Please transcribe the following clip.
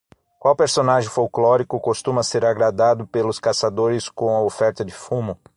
Qual personagem folclórico costuma ser agradado pelos caçadores com a oferta de fumo?